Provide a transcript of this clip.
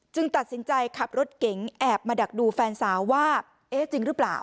ตัดสินใจขับรถเก๋งแอบมาดักดูแฟนสาวว่าเอ๊ะจริงหรือเปล่า